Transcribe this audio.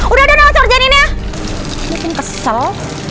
udah udah nolak jadinya mungkin kesal